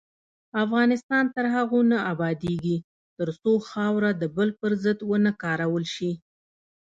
افغانستان تر هغو نه ابادیږي، ترڅو خاوره د بل پر ضد ونه کارول شي.